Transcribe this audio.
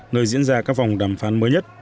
nơi diễn ra các vòng đàm phán mới nhất